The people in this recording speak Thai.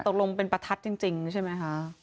ตกลงเป็นประทัดจริงใช่ไหมคะ